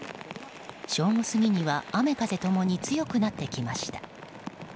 正午過ぎには雨風共に強くなってきました。